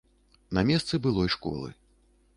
На месцы былой школы.